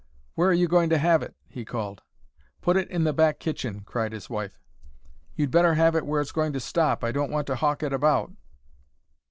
"Where are you going to have it?" he called. "Put it in the back kitchen," cried his wife. "You'd better have it where it's going to stop. I don't want to hawk it about."